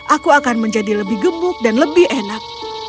aku akan menjadi lebih gemuk dan lebih enak